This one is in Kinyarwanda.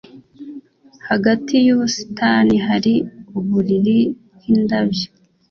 hagati yubusitani hari uburiri bwindabyo